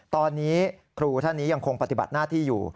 ตอนนี้ครูท่านนี้ยังคงปฏิบัติหน้าที่อยู่